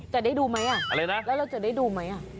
จะได้ดูไหมอ่ะอะไรนะแล้วเราจะได้ดูไหม